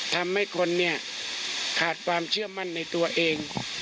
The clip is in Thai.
ทำให้คนเนี่ยขาดความเชื่อมั่นในตัวเอง